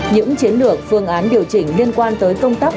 những chiến lược phương án điều chỉnh liên quan tới công tác